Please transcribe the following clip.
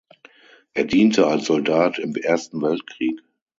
Er diente als Soldat im Ersten Weltkrieg.